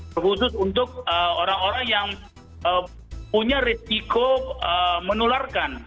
terkhusus untuk orang orang yang punya risiko menularkan